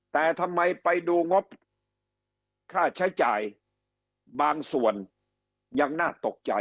แต่ทำไมไปดูงบค่าใช้จ่ายบางส่วนยังน่าตกใจ